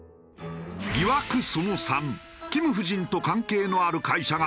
疑惑その３金夫人と関係のある会社が官邸施工？